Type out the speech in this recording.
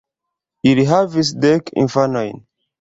Ili havis dek infanojn.